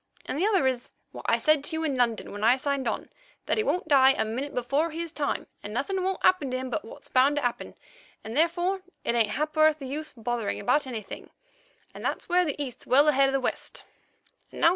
And the other is what I said to you in London when I signed on, that he won't die a minute before his time, and nothing won't happen to him, but what's bound to happen, and therefore it ain't a ha'porth of use bothering about anything, and that's where the East's well ahead of the West.